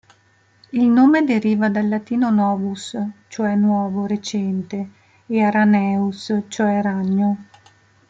Il nome deriva dal latino novus, cioè "nuovo, recente" e araneus, cioè "ragno".